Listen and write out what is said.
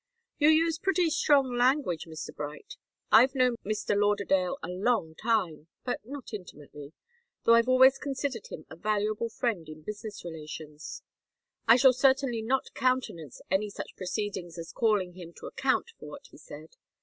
"You use pretty strong language, Mr. Bright. I've known Mr. Lauderdale a long time, but not intimately, though I've always considered him a valuable friend in business relations. I shall certainly not countenance any such proceedings as calling him to account for what he said.